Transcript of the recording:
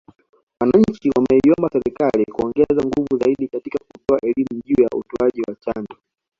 Wananchi wameiomba Serikali kuongeza nguvu zaidi katika kutoa elimu juu ya utoaji wa chanjo